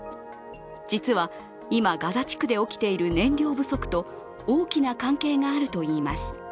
実は今、ガザ地区で起きている燃料不足と大きな関係があるといいます。